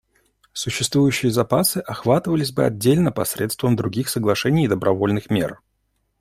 Существующие запасы охватывались бы отдельно посредством других соглашений и добровольных мер.